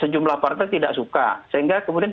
sejumlah partai tidak suka sehingga kemudian